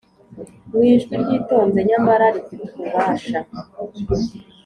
’ Mu ijwi ryitonze nyamara rifite ububasha